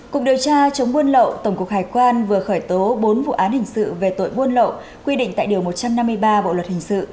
cục điều tra chống buôn lậu tổng cục hải quan vừa khởi tố bốn vụ án hình sự về tội buôn lậu quy định tại điều một trăm năm mươi ba bộ luật hình sự